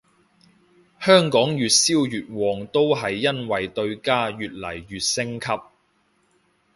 香港越燒越旺都係因為對家越嚟越升級